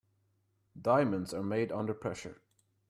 Diamonds are made under pressure.